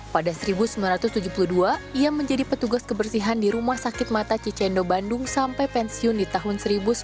pada seribu sembilan ratus tujuh puluh dua ia menjadi petugas kebersihan di rumah sakit mata cicendo bandung sampai pensiun di tahun seribu sembilan ratus sembilan puluh